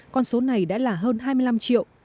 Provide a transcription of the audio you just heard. con số này đã là hơn hai mươi năm triệu